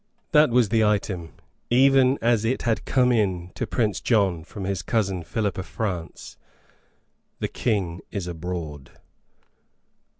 That was the item even as it had come in to Prince John from his cousin Philip of France: "The King is abroad."